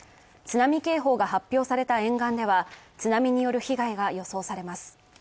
津波警報が発表された沿岸では津波による被害が予想されます。